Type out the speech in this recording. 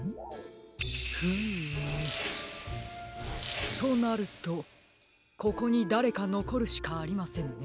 フームとなるとここにだれかのこるしかありませんね。